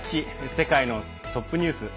世界のトップニュース」。